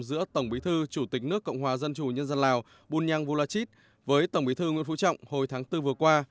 giữa tổng bí thư chủ tịch nước cộng hòa dân chủ nhân dân lào bunyang volachit với tổng bí thư nguyễn phú trọng hồi tháng bốn vừa qua